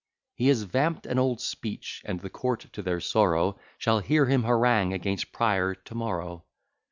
He has vamp'd an old speech, and the court, to their sorrow, Shall hear him harangue against Prior to morrow.